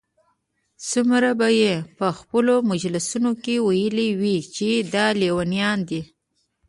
څومره به ئې په خپلو مجالسو كي ويلي وي چې دا ليونيان